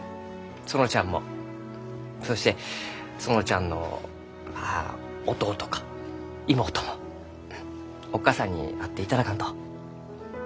園ちゃんもそして園ちゃんのまあ弟か妹もおっ義母さんに会っていただかんと。